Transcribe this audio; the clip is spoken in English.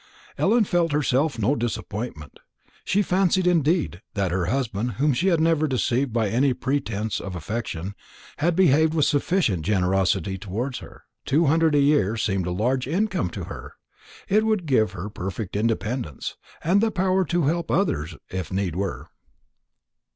Ellen herself felt no disappointment; she fancied, indeed, that her husband, whom she had never deceived by any pretence of affection, had behaved with sufficient generosity towards her. Two hundred a year seemed a large income to her. It would give her perfect independence, and the power to help others, if need were.